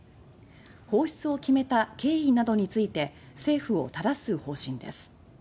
放出を決めた経緯などについて政府を質す方針です。